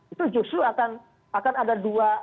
itu justru akan ada dua